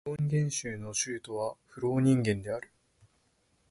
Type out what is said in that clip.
フローニンゲン州の州都はフローニンゲンである